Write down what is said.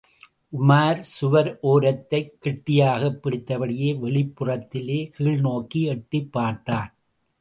உமார் சுவர் ஓரத்தைக் கெட்டியாகப் பிடித்தபடியே வெளிப்புறத்திலே கீழ்நோக்கி எட்டிப்பார்த்தான்.